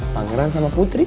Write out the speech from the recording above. pangeran sama putri